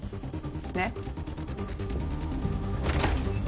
ねっ。